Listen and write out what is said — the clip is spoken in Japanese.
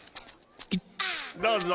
どうぞ。